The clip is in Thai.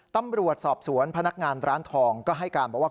ตำรวจสอบสวนพนักงานร้านทองก็ให้การบอกว่า